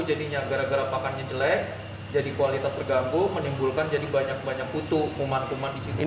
jadinya gara gara pakannya jelek jadi kualitas terganggu menimbulkan jadi banyak banyak putu kuman kuman disitu